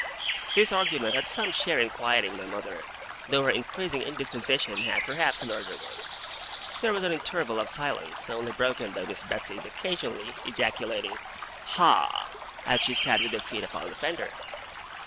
This argument had some share in quieting my mother, though her increasing indisposition had a larger one. There was an interval of silence, only broken by Miss Betsey's occasionally ejaculating 'Ha!' as she sat with her feet upon the fender.